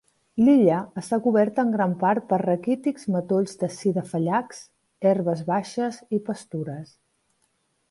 L'illa està coberta en gran part per raquítics matolls de Sida fallax, herbes baixes i pastures.